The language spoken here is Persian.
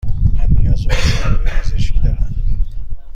من نیاز به مشاوره پزشکی دارم.